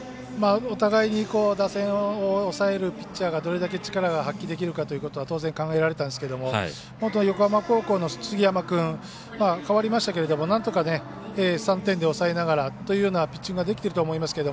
お互いに打線を抑えるピッチャーがどれだけ力が発揮できるかということは当然考えられたんですけど横浜高校の杉山君代わりましたけども、なんとか３点で抑えながらというようなピッチングができていると思いますけど。